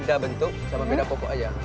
beda bentuk sama beda pokok aja